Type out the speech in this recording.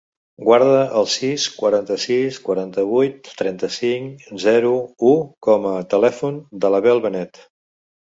Guarda el sis, quaranta-sis, quaranta-vuit, trenta-cinc, zero, u com a telèfon de l'Abel Benet.